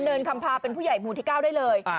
คำพาเป็นผู้ใหญ่หมู่ที่๙ได้เลย